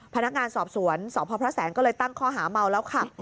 พนักงานสอบสวนสพพระแสงก็เลยตั้งข้อหาเมาแล้วขับ